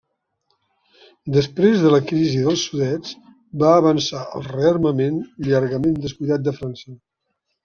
Després de la crisi dels Sudets, va avançar el rearmament llargament descuidat de França.